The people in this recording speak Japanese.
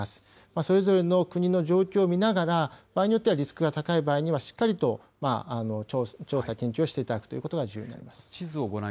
それぞれの国の状況を見ながら、場合によってはリスクが高い場合は、しっかりと調査、研究をしていただくということが重要になります。